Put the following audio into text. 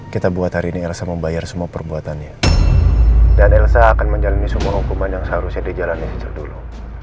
kita buat hari ini elsa membayar semua perbuatannya dan elsa akan menjalani semua hukuman yang seharusnya dijalani sejak dulu